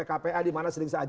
atau huruf d